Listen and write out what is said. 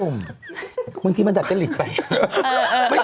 มึงที่มันดัดกริดไป